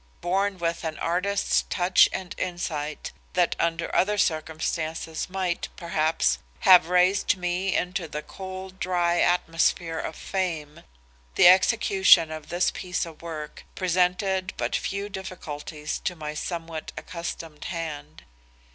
Born with an artist's touch and insight that under other circumstances might, perhaps, have raised me into the cold dry atmosphere of fame, the execution of this piece of work, presented but few difficulties to my somewhat accustomed hand.